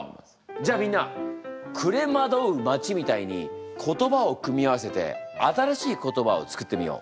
じゃあみんな「暮れ惑う街」みたいに言葉を組み合わせて新しい言葉をつくってみよう。